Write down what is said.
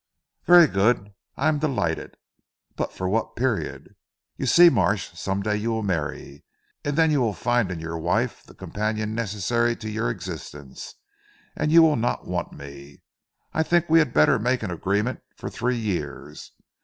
"Very good. I am delighted. But for what period? You see Marsh, some day you will marry, and then you will find in your wife the companion necessary to your existence; you will not want me. I think we had better make an agreement for three years.